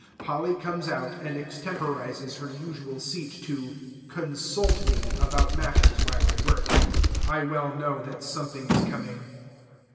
Polly comes out, and extemporizes her usual seat to "consult me" about matters while I work. I well know that something is coming.